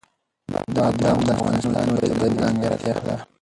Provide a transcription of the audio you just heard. بادام د افغانستان یوه طبیعي ځانګړتیا ده.